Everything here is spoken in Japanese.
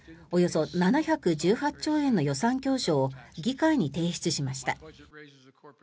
およそ７１８兆円の予算教書を議会に提出しました。